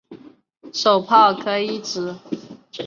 手炮可以指